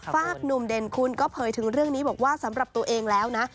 ฝากหนุ่มเด่นคุณก็เผยถึงเรื่องนี้บอกว่าสำหรับตัวเองแล้วนะ